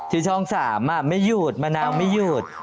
ที่ช่อง๓ไม่หยุดมะนาวไม่หยุด